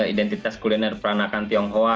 identitas kuliner peranakan tionghoa